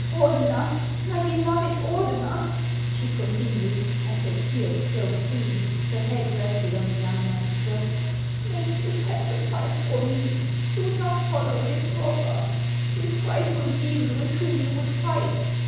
Ordener, my beloved Ordener !" she continued, — and her tears flowed freely, her head rested on the young man's breast, —" make this sacrifice for me. Do not follow this rubber, this frightful demon, with whom you would fight.